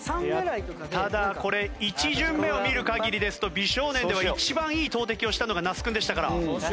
ただこれ１巡目を見る限りですと美少年では一番いい投てきをしたのが那須君でしたから。